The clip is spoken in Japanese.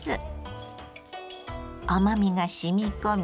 甘みがしみ込み